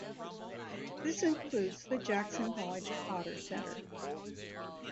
This includes the Jackson College Potter Center.